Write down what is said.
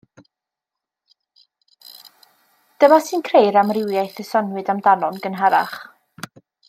Dyma sy'n creu'r amrywiaeth y soniwyd amdano'n gynharach.